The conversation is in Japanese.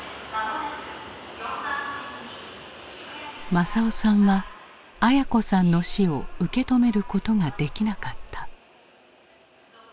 政男さんは文子さんの死を受け止めることができなかった。